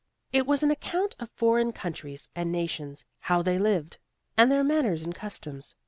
It was an account of foreign countries and nations; how they lived, and their manners and customs.